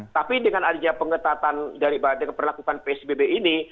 tapi dengan adanya pengetatan daripada perlakukan psbb ini